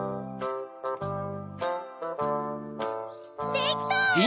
できた！